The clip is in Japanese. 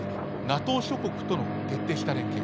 ＮＡＴＯ諸国との徹底した連携